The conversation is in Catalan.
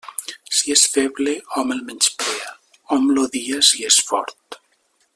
Si és feble, hom el menysprea; hom l'odia si és fort.